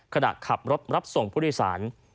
ขณะขับรถรับส่งผู้โดยสาร